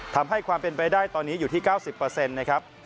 ทำให้ความเป็นไปได้ตอนนี้อยู่ที่๙๐นะครับ